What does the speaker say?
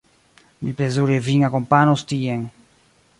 Mi plezure vin akompanos tien.